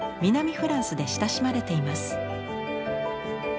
フランスで親しまれています。